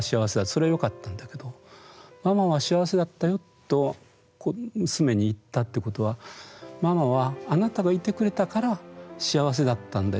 それはよかったんだけど「ママは幸せだったよ」と娘に言ったってことは「ママはあなたがいてくれたから幸せだったんだよ」